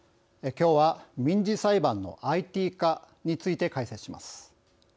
きょうは民事裁判のＩＴ化について解説します。